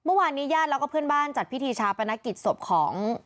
เมื่อวานนี้ญาติแล้วก็เพื่อนบ้านจัดพิธีชาประนักกิจสบของ